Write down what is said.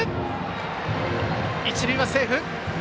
一塁はセーフ。